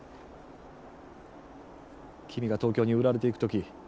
君が東京に売られていく時